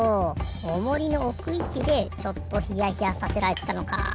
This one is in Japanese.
オモリのおくいちでちょっとヒヤヒヤさせられてたのか。